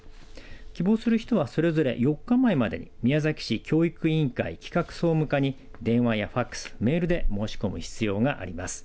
希望する人はそれぞれ４日前までに宮崎市教育委員会企画総務課に電話やファックスメールで申し込む必要があります。